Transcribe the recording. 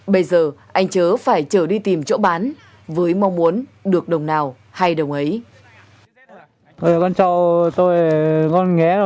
bây giờ anh chớ phải trở đi tìm chỗ bán với mong muốn được đồng nào hay đồng ấy